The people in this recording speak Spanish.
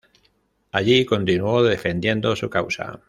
Allí, continuó defendiendo su causa.